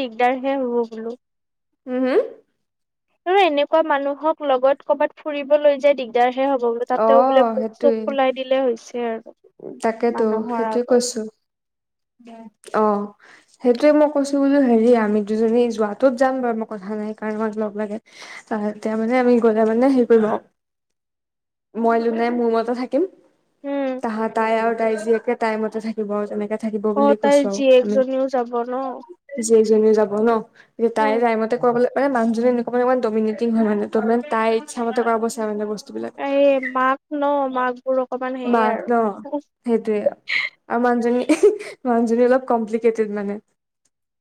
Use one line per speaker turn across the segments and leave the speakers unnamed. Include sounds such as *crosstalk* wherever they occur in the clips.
দিগদাৰ হে হ'ব বোলো।
উম হুম
আৰু এনেকুৱা মানুহক লগত কৰবাত ফুৰিব লৈ যায় দিগ দাৰহে হ'ব বোলো,
অ
তাতেও বোলে বুক-চুক
সেইটোৱে
ফুলাই দিলে হৈছে আৰু।
তাকেতো
মানুহৰ
সেইটোয়ে
আগত।
কৈছো অ। সেইটোৱে মই কৈছো বোলো হেৰি আমি দুজনী যোৱাটোত যাম বাৰু মই কথা নাই কাৰণ আমাক লগ লাগে। তেওঁ মানে আমি গ'লে মানে হেৰি কৰিব মই লো নাই মোৰ মতে থাকিম
উম,
তাহা তাই আৰু তাই জীয়েকে তাইৰ মতে থাকিব আৰু তেনেকে থাকিব বুলি
অ' তাইৰ
কৈছো আৰু আমি
জীয়েকজনীও যাব ন?
যিজনী যাব ন তাই
উম,
তাইমতে ক মানুহজনে এনেকুৱা মানে ডমিনেটিং হয় মানে ত তাই ইচ্ছামতে কৰা
এই মাক ন মাক বোৰ অকমান হেয়ে
মাক
আৰু।
ন সেইটোৱে, আৰু মানুহজনী-মানুহজনী অলপ কমপ্লিকেটেড মানে।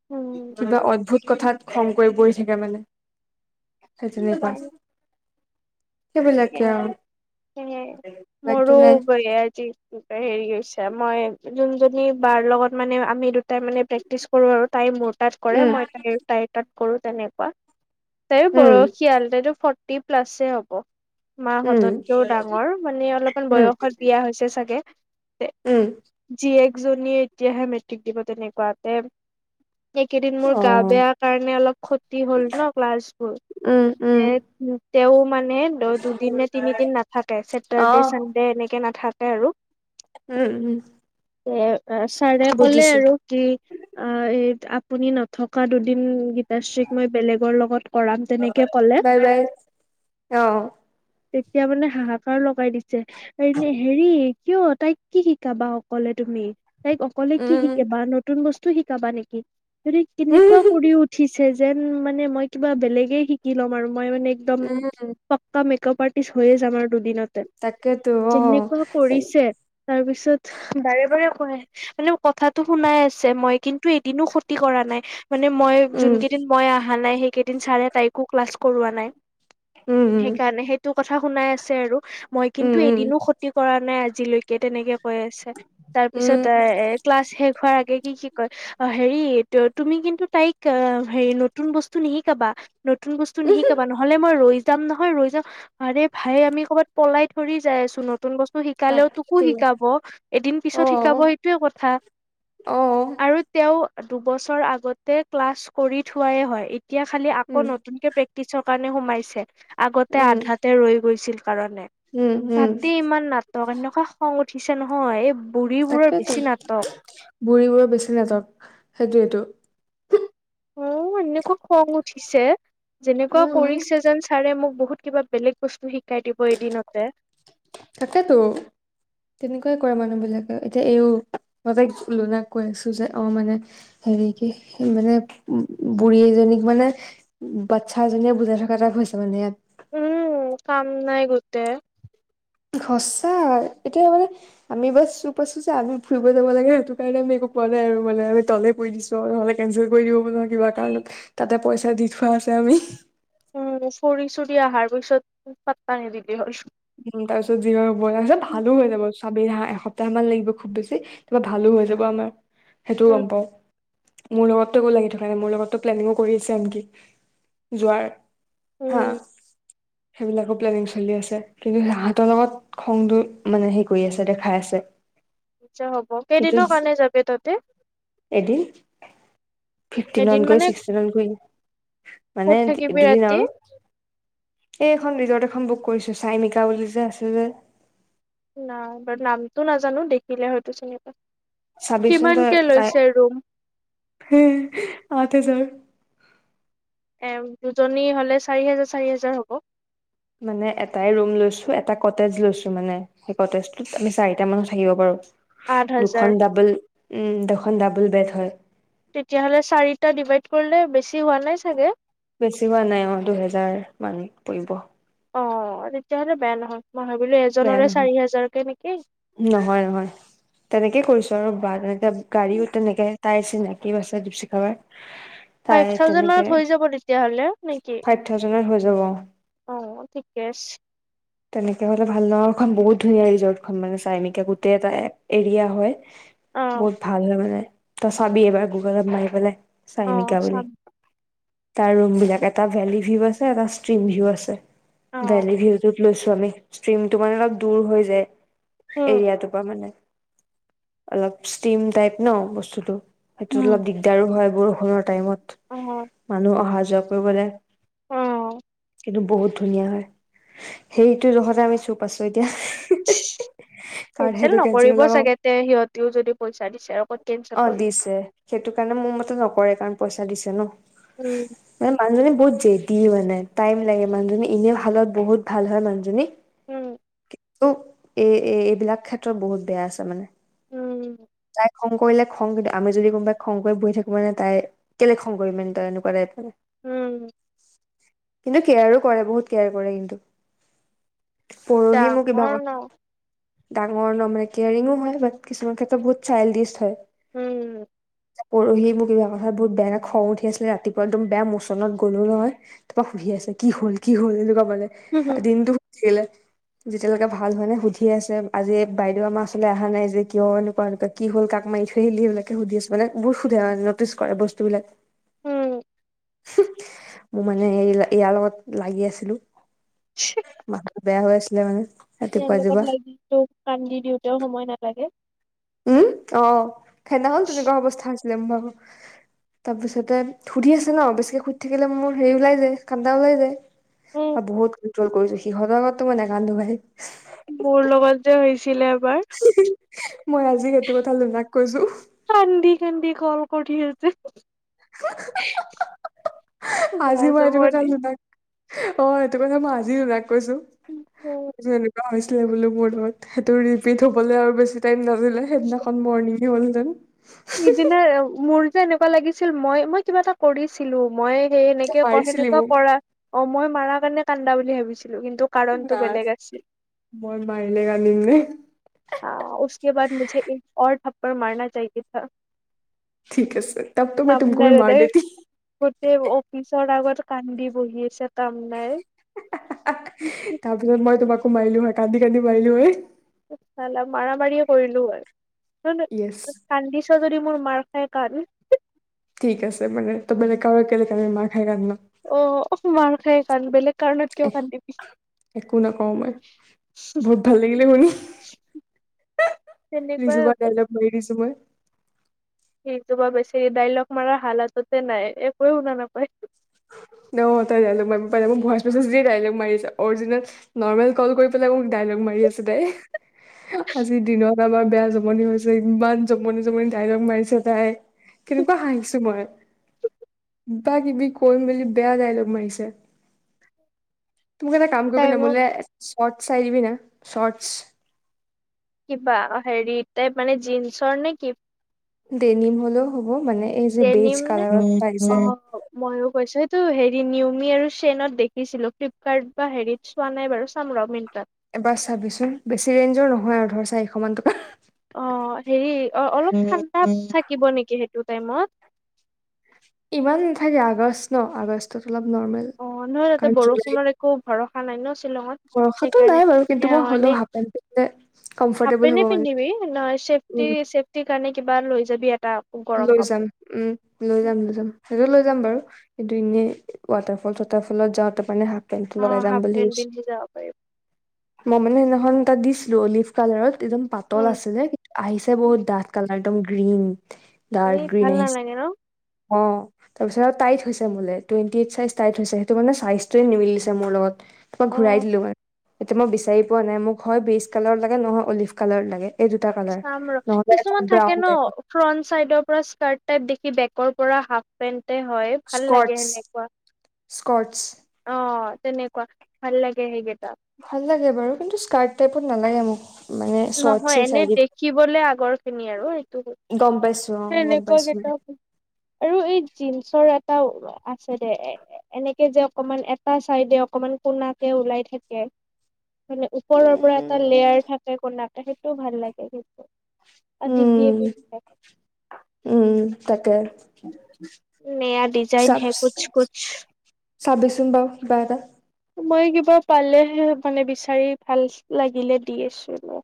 উম,
কিবা অদ্ভুত কথাত খং কৰি পৰি থাকে মানে। *inaudible* সেইবিলাকে আৰু বাকীটো
মোৰো
নাই
বয়া আজি। হেৰি কৰিছে মই যোনজনী বাৰ লগত মানে আমি দুটাই মানে প্ৰেক্টিচ কৰো আৰু টাইমত তাত কৰে
উম
মই তাই তাইৰ তাত কৰো তেনেকুৱা, তাই
উম
বয় কিয়াল তাইতো ফৰ্টি প্লাছে হব।
উম
মাহঁততকেও ডাঙৰ মানে অলপমান
উম
বয়সত বিয়া হৈছে চাগে।
উম।
যি একজনীয়ে এতিয়াহে মেট্ৰিক দিব তেনেকুৱা তে এইকেইদিন মোৰ
অ
গা বেয়া কাৰণে অলপ ক্ষতি হ'ল ন ক্লাছবোৰ।
উম উম
যে তেওঁ মানে দুদিন নে তিনিদিন নাথাকে
অ
চছেটাৰ্ডে, চানডে এনেকে নাথাকে আৰু।
উম, উম।
এ ছাৰে ক'লে
বুজিছো
আৰু কি অ' আপুনি নথকা দুদিন গীতাশ্ৰীক মই বেলেগৰ লগত কৰাম তেনেকে ক'লে।
বাই-বাই অ।
তেতিয়া মানে হাহাকাৰ লগাই দিছে, এ এনে হেৰি কিয় তাইক কি শিকাবা অকলে তুমি, তাইক অকলে কি
উম
শিকাবা, নতুন বস্তু শিকাবা নেকি? কেনেকুৱা
উম
কৰি উঠিছে যেন মানে মই কিবা বেলেগে শিকি লম আৰু মই মানে একদম
উম
মেকআপ আৰ্টিষ্ট হৈছে আমাৰ দুদিনতে
তাকেতো অ
যেনেকুৱা কৰিছে তাৰ পিছত বাৰে-বাৰে খুৱাই। মানে কথাাটো শুনাই আছে মই কিন্তু এদিনো ক্ষতি কৰা নাই। মানে মই
উম
যোন কেইদিন মই অহা নাই সেইকেইদিন ছাৰে তাইকো ক্লাছ কৰোৱা নাই।
উম, উম।
মানে সেইটো কথা শুনাই আছে আৰু মই কিন্তু
উম
এদিনো ক্ষতি কৰা নাই আজিলৈকে তেনেকে কৈ আছে তাৰ পিছত
উম
এ ক্লাছ শেষ হোৱাৰ আগে কি কি কয় অ হেৰি তুমি কিন্তু তাইক হেৰি নতুন বস্তু নিশিকাবা নতুন বস্তু নিশিকাবা নহ'লে মই ৰৈ যাম নহয় ৰৈ আৰে ভাই আমি ক'ৰবাত পলাই থৰি যাই আছো নতুন বস্ তো শিকালেও তোকো
তাকেতো
শিকাব এদিন
অ
পিছত শিকাব সেইটোয়ে কথা
অ
আৰু তেওঁ দুবছৰ আগতে ক্লাছ কৰি থোৱাই হয় এতিয়া খালি আকৌ
উম,
নতুনকে প্ৰেক্ টিচৰ কাৰণে সোমাইছে আগতে
উম,
আধাতে ৰৈ গৈছিল কাৰণে
উম, উম,
তাতে ইমান নাটক এনেকুৱা খং উঠিছে নহয় এই বুঢ়ীবোৰৰ
তাকেইতো
বেছি নাটক
বুঢ়ীবোৰো বেছি নাযাওক সেইটোৱেটো
অ এনেকুৱা খং উঠিছে যেনেকুৱা
উম,
কৰিছে যেন ছাৰে মোক বহুত কিবা বেলেগ বস্তু শিকাই দিব এদিনতে
তাকেটো তেনেকুৱাই কৰে মানুহ বিলাকে এতিয়া এওঁ মই যে লুনাক কৈ আছো যে অ মানে হেৰি কি মানে উ বুঢ়ী এজনীক মানে বাচ্ছা এজনীয়ে বুজাই থকা এটা হৈছে মানে ইয়াত
উম কাম নাই গুতে
সঁচা এতিয়া মানে আমি বাছ চুপ আছো যে আমি ফুৰিব যাব লাগে সেইটো কাৰণে আমি একো কোৱা নাই আৰু মানে আমি তলেই পৰি দিছো নহলে কেনচেল কৰি দিব ন কিবা কাৰণত তাতে পইচা দি থোৱা আছে আমি
উম ফৰি চুৰি অহাৰ পিছত পাত্তা নিদিবি হয়
উম তাৰ পিছত যি হব তাৰ পিছত ভালো হৈ যাব চাবি হা এসপ্তাহ মান লাগিব খুব বেছি কিবা ভালো হৈ যাব আমাৰ সেইটোও
উম
গম পাওঁ মোৰ লগতো একো লাগি থকা নাই মোৰ লগতো প্লেনিঙো কৰি আছে আনকি যোৱাৰ
উম
হা সেইবিলাকো প্লেনিং চলি আছে কিন্তু হাহতৰ লগত খং দৈত মানে সেই কৰি আছে দেখাই আছে
আচ্ছা হ'ব
কিন্তু
কেইদিনৰ কাৰণে যাব তাতে
এদিন ফিফটিনত
এদিন
গৈ
মানে
ছিক্সটিনত গুইম মানে
ক'ত থাকিবি
দুদিন
ৰাতি
আৰু এই এখন ৰিজৰ্ট এখন বুক কৰিছো চাইমিকা বুলি যে আছে যে
নাই বাৰ নামটো নাজানো দেখিলে হয়তো চিন পা
চাবিচোন
কিমান কে লৈছে ৰুম
হে আঠ হাজাৰ
এ দুজনী হলে চাৰি হোজাৰ চাৰি হোজাৰ হ'ব
মানে এটাই ৰুম লৈছো এটা কটেজ লৈছো মানে সেই কটেজটোত আমি চাৰিটা মানুহ থাকিব পাৰো
আঠ হাজাৰ
দুখন ডাবোল উম দুখন ডাবোল বেট হয়
তেতিয়াহলে চাৰিটা ডিভাইড কৰিলে বেছি হোৱা নাই চাগে
বেছি হোৱা নাই অ দুহেজাৰ মান পৰিব
অ তেতিয়াহলে বেয়া নহয় মই ভাবিলো
বেয়া
এজনৰে
নহয়
চাৰি হাজাৰকে নেকি?
নহয় নহয় তেনেকে কৰিছো আৰু বা তেনেকে গাড়ীও তেনেকে তাই চিনাকি আছে দীপশিখাবাৰ তাই
ফাইপ থাউজেণ্ড
তেনেকে
মানত হৈ যাব তেতিয়া হ'লে নেকি
ফাইভ থাউজেণ্ডত হৈ যাব
অ ঠিকে আছ
তেনেকে ভাল লগাখন বহুত ধুনীয়া ৰিজৰ্টখন মানে চাইনিকা গোটেই এটা এৰিয়া হয়।
অ
বহুত ভাল হয় মানে তই চাবি এবাৰ গুগলত মাৰি পেলায়।
অ
চাইমিকা বুলি।
চাম
তাৰ ৰুম বিলাক এটা ভেলি ভিউ আছে এটা ষ্ট্ৰিম ভিউ আছে।
অ
ভেলি ভিউটো লৈছো আমি ষ্টিমটো মানে অলপ দূৰ হৈ যায়।
উম
এৰিয়াটো পৰা মানে, অলপ ষ্টিম টাইপ ন বস্তুটো। সেইটোল
উম
অলপ দিগদাৰো হয় বৰষুণৰ টাইমত
অ
মানুহ অহা যোৱা কৰিবলে।
অ।
কিন্তু বহুত ধুনীয়া হয়, সেইটো দখতে আমি চুপ আছো এতিয়া। কাৰণ
কেনচেল
সেইটো
নকৰিব
হলে আমাৰ
চাগে তে সিহঁতেও যদি পইচা দিছে ক'ত কেনচেল
অ
কৰিব
দিছে সেইটো কাৰণে মোৰ মতে নকৰে কাৰণ পইচা দিছে ন।
উম।
মানে মানুহজনী বহুত জেদি মানে টাইম লাগে মানুহজনী এনে ভালত বহুত ভাল হয় মানুহজনী।
উম।
কি ও এ এ এইবিলাক ক্ষেত্ৰত বহুত বেয়া আছে মানে।
উম।
তাই খং কৰিলে খং কিন্তু আমি যদি কোনোবাই খং কৰি বহি থাকোঁ মানে তাই কেলে খং কৰিম এনটা এনেকুৱা টাইপৰ।
উম।
কিন্তু কেয়াৰো কৰে বহুত কেয়াৰ কৰে কিন্তু। পৰহি মোক কিবা
ডাঙৰ
ক-
ন
ডাঙৰ ন মানে কেয়াৰিঙো হয় বাট কিছুমান ক্ষেত্ৰত বহুত চাইল্ডিষ্ট হয়।
উম।
পৰহি মোক কিবা কথা বহুত বেয়া এ খং উঠি আছিলে ৰাতিপুৱা একদম বেয়া মোচনত গ'লো নহয় তাৰপৰা শুহি আছে কি হ'ল কি হ'ল এনেকুৱা মানে
হুম হুম
দিনতটো শুধিলে যেতিয়ালৈকে ভাল হয় নে সুধি আছে আজি বাইদেউ আমাৰ আচলতে অহা নাই যে কিয় এনেকুৱা এনেকুৱা কি হ'ল কাক মাৰি থৈ আহিলি এইবিলাকে সুধি আছে মানে বু সুধে মানে নটিছ কৰে বস্তু বিলাক।
উম
মোৰ মানে ইয়াৰ লগত লাগি আছিলো মানুহ বেয়া হৈ আছিলে মানে।
তেওঁ
ৰাতিপুৱা
লগত
ৰাতিপুৱা
লাগিটো কান্দি দিওঁতেও সময় নালাগে।
উম অ সেইদিনাখন তেনেকুৱা অৱস্থা আছিলে ম ব তাৰপিছতে সুধি আছে ন বেছিকে সুধি থাকিলে মোৰ হেৰি ওলাই যায় কান্দা ওলাই
উম
যায়। বহুত কণ্ট্ৰল কৰিছো সিহঁতৰ আগত টো মই নাকান্দো ভাই।
মোৰ লগত যে হৈছিলে এবাৰ।
মই আজি সেইটো কথা লোনাক কৈছোঁ।
কানন্দি কানন্দি কল কৰি আছে।
*unintelligible*
বেয়া
আজি মই
যাব
ৰাতিপুৱা
দি
তাক লোনাক অ সেইটো কথা মই আজি লোনাঅ কৈছোঁ। কৈছোঁ এনেকুৱা হৈছ- টোৱে বোলো মোৰ লগত সেইটো ৰিপিট হ'বলে আৰু বেছি টাইম নদৈলে সেইদিনাখন মৰ্ণিং নিলহ দান
দিনে মোৰ যে এনেকুৱা লাগিছিল মই মই কিবা এটা কৰিছিলো মই সেই
তই
এনেকে ক
মাৰিছিলি
সেনেকুৱা
মোক
কৰা অ মই মাৰাৰ কাৰণে কান্দা বুলি ভাবিছিলো কিন্তু কাৰণটো
নাই
বেলেগ আছিল।
মই মাৰিলে কান্দিম নে?
তাও ওচকে বাদ মোঝে এ ঔৰ থাপ্পৰ মাৰনা চাহিয়ে থা।
ঠিক আছে তব তো মই তুমক ভি
*unintelligible*
মাৰ দেতি
মিচৰ আগত কান্দি বহি আছে কাম নাই।
পিছত মই তোমাকো মাৰিলোঁ হয়, কান্দি, কান্দি মাৰিলোঁ হয়।
চালা মাৰা মাৰিয়ে কৰিলোঁ
য়েছ
হয়। কান্দিছ যদি মোৰ মাৰ খাই কান।
ঠিক আছে মানে তই মানে কাৰ কেলে কানে মা খাই কান ন?
অ', মাৰ খাই কান বেলেগ কাৰণত কিয়
এক-
কান্দিবি।
একো নকওঁ মই। বহুত ভাল লাগিলে শুনি।
তেনেকুৱাই
ৰিজু বা
হ'ব
দাইলক পঢ়ি দিছোঁ মই।
ইউটিউবৰ বেছি ডাইলগ মাৰা হালাততে নাই একোৱো শুনা নাপায়।
ন তাই ডাইলগ মাৰিব পাৰে, মোক ভইছ মেছেজ দিয়েই ডাইলগ মাৰিছে অৰিজিনেল নৰ্মেল কল কৰি পেলাই মোক ডাইলগ মাৰি আছে তাই আজিৰ দিনত। তাই লগত বেয়া জমনি হৈছে, ইমান জমনি, জমনি ডাইলগ মাৰিছে তাই। কেনেকুৱা হাঁহিছো মই কিবা কিবি কৰি মেলি বেয়া ডাইলগ মাৰিছে, তই মোক এটা কাম
তাই
কৰিবিনে
মোক
মোলে চৰ্টছ চাই দিবি না চৰ্টছ।
কিবা হেৰি তাইপ মানে জীনচৰ নেকি?
ডেনিম হ'লেও হ'ব মানে এই যে বেজ
ডেনিম নে
কালাৰত পাই
অ
যে।
ময়ো কৈছোঁ এইটো হেৰি নিউমি আৰু চেইনত দেখিছিলোঁ ফ্লিপকাৰ্ট বা হেৰিত চোৱা নাই বাৰু চাম ৰ মৃন্তাত।
এবাৰ চাবিচোন বেছি ৰেঞ্জৰ নহয় আৰু ধৰ চাৰিশ মান টকাৰ।
অ', হেৰি অ', অলপ ঠাণ্ডা থাকিব নেকি সেইটো টাইমত?
ইমান নাথাকে আগষ্ট ন আগষ্টত অলপ নৰ্মেল।
অ', নহয় তাতে
কাৰণ জুলাই
বৰষুণৰ একো ভৰষা নাই ন শ্বিলঙত
বৰষাতো
সেইকাৰণে
নাই বাৰু কিন্তু মই
অ',
হ'লেও
এনে
হাফ পেন্ট পিন্ধিলে
হাফ
কমফৰ্টেবল
পেনে
হ'ব মানে
পিন্ধিবি নহয়
উম
চেফটি, চফটিৰ কাৰণে কিবা লৈ যাবি এটা। গৰম
লৈ যাম
কাপোৰ
উম, লৈ যাম, লৈ যাম সেইটো লৈ যাম বাৰু। কিন্তু এনেই ৱাটাৰফল চৱাটাৰফলত যাওঁতে মানে হাফ পেনটো
অ
লগাই যাম
হাফ
বুলি
পেন্ট
ভাবিছোঁ।
পিন্ধি যাব পাৰিবি
মই মানে সেইদিনাখন তাত দিছিলোঁ, অলিভ কালাৰত একদম পাতল
উম
আছিলে কিন্তু আহিছে বহুত ডাঠ কাল একদম গ্ৰীণ ডাৰ্ক
এই
গ্ৰীণ
ভাল
আহিছে,
নালাগে ন
অ'। তাৰপিছত আৰু টাইট হৈছে মোলে, টুৱেণ্টি এইট চাইজ টাইট হৈছে, সেইটো মানে চাইজটোৱে নিমিলিছে মোৰ লগত। মই
অ
ঘুৰাই দিলোঁ আৰু এতিয়া মই বিচাৰি পোৱা নাই মোক হয় বিজ কালৰত লাগে নহয় অলিভ কালাৰত লাগে। এই দুটা কালাৰ
চাম ৰ
নহ'লে এটা
কিছুমান থাকে
ব্ৰাউন
ন
টাইপত।
ফ্ৰন্ট চাইডৰ পৰা স্কাৰ্ট টাইপ দেখি বেকৰ পৰা হাফ পেন্টে হয়। ভাল লাগে
স্কটছ,
সেনেকুৱা
স্কটছ।
অ', তেনেকুৱা ভাল লাগে সেইকেইটা।
ভাল লাগে বাৰু কিন্তু স্কাৰ্ট টাইপত নালাগে মোক। মানে চৰ্টছে
নহয়
চাই
এনে
দিম
দেখিবলে আগৰ খিনি আৰু সেইটো কৈছোঁ।
গম পাইছোঁ অ', গম পাইছোঁ।
আৰু এই জীনচৰ এটা আছে দে এ এনেকে যে অকমান এটা চাইডে অকমান কোনাকে ওলাই থাকে। মানে ওপৰৰ পৰা এটা লেয়াৰ থাকে কুনাকে সেইটোও ভাল লাগে। আদিতিয়ে
উম,
পিন্ধে
উম, তাকে।
নেয়া ডিজাইন
চাব
হে কোছ, কোছ।
চাবিচোন বাৰু কিবা এটা।
মই কিবা পালেহে মানে বিচাৰি ভাল লাগিলে দি আছো ৰ।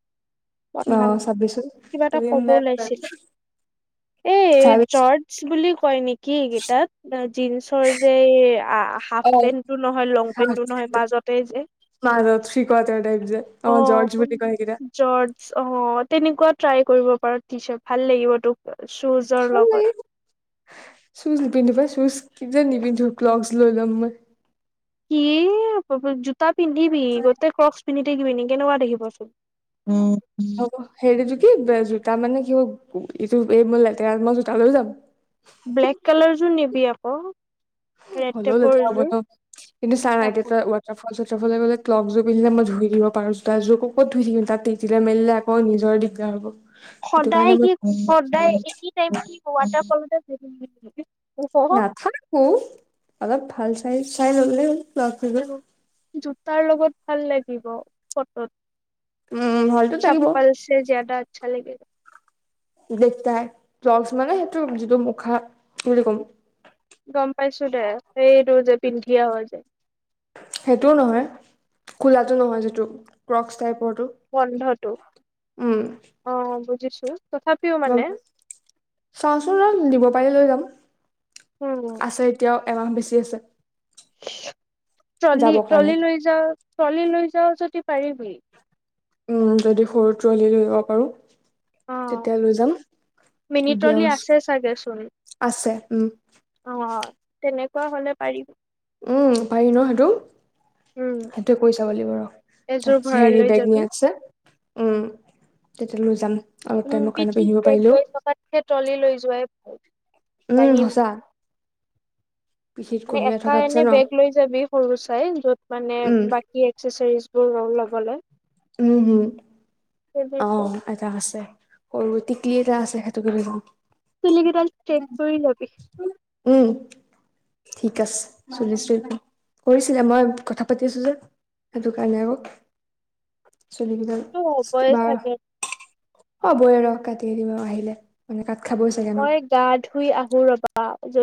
অ
পঠাম,
চাবিচোন
কিবা এটা
পঢ়িম
ক'ব
নাই
ওলাইছিল। এ
চাবি
জৰ্জ বুলি কয় নেকি একেইটাত? ন জিন্চৰ যে হাফ
অ
পেন্টটো নহয় লং পেন্টটো নহয় মাজতে যে
থ্ৰী কোৱাটাৰ টাইপ যে অ জৰ্জ বুলি কয় সেইকেইটা।
জৰ্জ অ তেনেকুৱা ট্ৰাই কৰিব পাৰ টি-চাৰ্ট ভাল লাগিব তোক চোজাৰ
ভাল
লগত।
লাগে চুজ নিপিন্ধো পাই চুজ কিজন নিপিন্ধো ক্লগছ লৈ লম মই।
কি জোতা পিন্ধিবি গোতে ক্ৰ পিন্ধি থাকিবি কেনেকুৱা দেখিবচোন।
হব হেৰিটো কি জোতা মানে কি হ এইটো এই মোৰ লেতেৰাত মই জোতা লৈ যাম।
ব্লেক কালাৰ যোৰ নিবি আক।
হলেও লেতেৰা হব ন, কিন্তু
আকৌ
চা ৱা ফল চতফালে গলে্ ক্লক জোৰ পিন্ধিলে মই ধুই দিব পাৰো জোতা যোৰ কত ধুই থাকিম তাত তিলে মেলিলে আ কৌ নিজৰে দিগদাৰ হ'ব। সেইটো
সদায়
কাৰণে মই
কি সদায় এনি টাইম কি ৱাটাৰ ফলতে পিন্ধি থাকিবি নেকি?
নাথাকো অলপ ভাল চাই চাই ল'লে হ'ল। ক্লগযোৰ
জোতাৰ লগত ভাল লাগিব ফটোত।
উম ভালতো লাগিব
চপ্পল ছে জ্যাদা আচ্ছা লাগেগা।
এলেক্টাৰ ক্লজ মানে সেইটো যিটো মুখা কি বুলি কম।
গম পাইছো দে সেইটো যে পিন্ধি আহ যে।
সেইটোও নহয় খোলাটো নহয় যিটো ক্ৰক্স টাইপৰটো।
বন্ধটো অ বুজিছো তথাপি
চাওচোন ৰ দিব পাৰিলে লৈ যাম
উম
আছে এতিয়াও এমাহ বেছি আছে।
ট্ৰলি
যাবৰ
ট্ৰলি
কাৰণে
লৈ যাও ট্ৰলি লৈ যাও যদি পাৰিবি।
যদি সৰু ট্ৰলী নিব পাৰোঁ।
অ
তেতিয়া লৈ যাম
মিনি
তেতিয়া
ট্ৰলি আছে চাগেচোন
আছে উম।
অ', তেনেকুৱা হলে পাৰি।
উম পাৰি ন সেইটো?
উম
সেইটোৱে কৰি চাব লাগিব আৰু
এযোৰ
তাৰপিছত
ভৰাই
হেৰি
লৈ
বেগ
যাবি।
নিয়া আছে। উম তেতিয়া লৈ যাম। অলপ
উম
টাইমৰ কাৰণে
পিঠিত
পিন্ধিব
বেগ
পাৰিলেও
গৈ থকাতকে ট্ৰলী লৈ যোৱাই
উম,
দাঙি
সঁচা। পিঠিত
মানে
কঢ়িয়াই
এটা
থকাতছে
এনে
ন
বেগ লৈ যাবি সৰু চাই য'ত মানে
উম,
বাকী বিচাৰিছোঁ ৰম লবলে।
উম হম। অ',
*unintelligible*
এটা আছে সৰু টিকলি এটা আছে সেইটোকে দিব।
চুলি কেইডাল ষ্ট্ৰেট কৰি লবি।
উম। ঠিক আছে চুলি ষ্ট্ৰেইট কৰিম, কৰিছিলে মই কথা পাতি আছো যে। সেইটো কাৰণে আৰু। চুলি কেইডাল
মোৰ হ'বই
বা
চাগে
হবই আৰু কাটি দিবা আহিলে। মানে তাত খাবই চাগে ন?
মই গা ধুই আহো ৰবা যদি